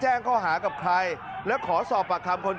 จริงจริงจริง